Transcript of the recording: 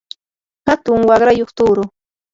atun waqrayuq tuuru.